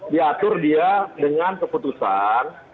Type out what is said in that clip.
diatur dia dengan keputusan